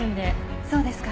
そうですか。